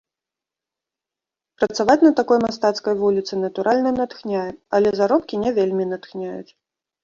Працаваць на такой мастацкай вуліцы, натуральна, натхняе, але заробкі не вельмі натхняюць.